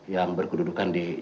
yang berkududukan di kota kota ini